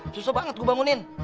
susah banget gua bangunin